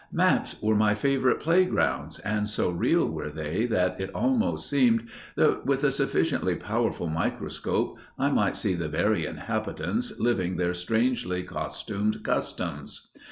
Maps were my favourite playgrounds, and so real were they that it almost seemed that, with a sufficiently powerful microscope, I might see the very inhabitants living their strangely costumed customs.